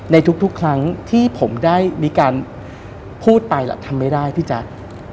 ในทุกครั้งที่ผมได้มีการพูดไปแล้วทำไม่ได้พี่แจ๊ค